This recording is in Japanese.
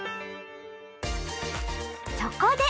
そこで！